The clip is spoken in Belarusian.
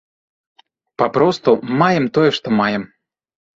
Папросту маем тое, што маем.